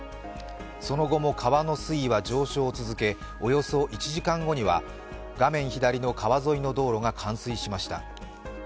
その後も川の水位は上昇を続けおよそ１時間後には画面左の川沿いの道路が冠水しました。